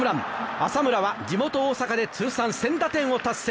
浅村は地元・大阪で通算１０００打点を達成。